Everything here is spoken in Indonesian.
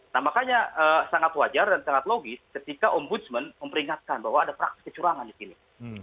nah makanya sangat wajar dan sangat logis ketika ombudsman memperingatkan bahwa ada praktik kecurangan di sini